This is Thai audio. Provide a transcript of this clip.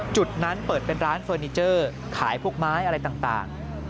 จุดนั้นเปิดเป็นร้านเฟอร์นิเจอร์ขายพวกไม้อะไรต่าง